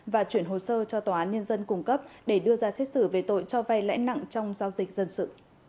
và chuyển hồ sơ cho tòa án nhân dân cung cấp để đưa ra xét xử về tội cho vay lãi nặng trong giao dịch dân sự